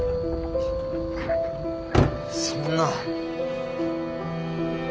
そんな。